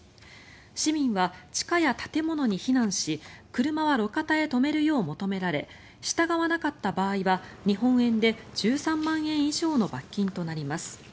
市民は地下や建物に避難し車は路肩へ止めるよう求められ従わなかった場合は日本円で１３万円以上の罰金となります。